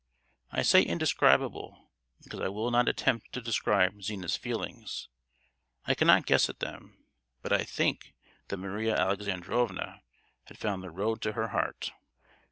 I say indescribable because I will not attempt to describe Zina's feelings: I cannot guess at them; but I think that Maria Alexandrovna had found the road to her heart.